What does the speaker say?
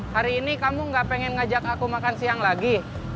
hari ini kamu gak pengen ngajak aku makan siang lagi